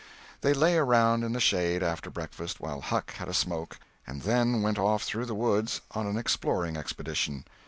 They lay around in the shade, after breakfast, while Huck had a smoke, and then went off through the woods on an exploring expedition.